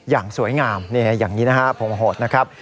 อย่างสวยงามอย่างนี้นะครับผมโหดนะครับ